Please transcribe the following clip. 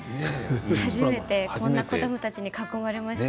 初めてこんな子どもたちに囲まれました。